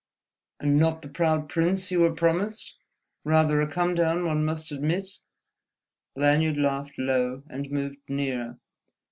"And not the proud prince you were promised? Rather a come down, one must admit." Lanyard laughed low, and moved nearer.